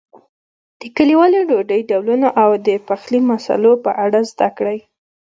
د کلیوالي ډوډۍ ډولونو او د پخلي مسالو په اړه زده کړئ.